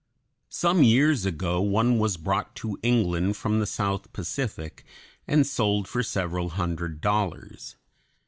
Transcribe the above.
Some years ago one was brought to England from the South Pacific and sold for several hundred dollars.